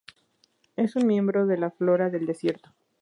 Es un miembro de la flora del desierto.